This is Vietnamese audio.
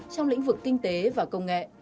trong lĩnh vực kinh tế và công nghệ